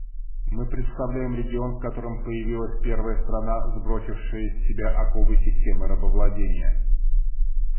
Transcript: Мы представляем регион, в котором появилась первая страна, сбросившая с себя оковы системы рабовладения.